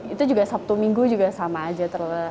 itu juga sabtu minggu juga sama aja